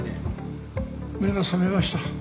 目が覚めました。